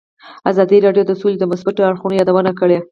ازادي راډیو د سوله د مثبتو اړخونو یادونه کړې.